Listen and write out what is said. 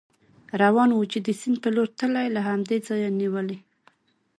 روان و، چې د سیند په لور تلی، له همدې ځایه نېولې.